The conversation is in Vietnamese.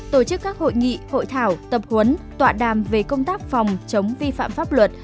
tổ chức các hội nghị hội thảo tập huấn tọa đàm về công tác phòng chống vi phạm pháp luật